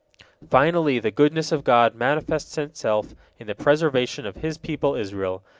Finally, the goodness of God manifests itself in the preservation of His people Israel.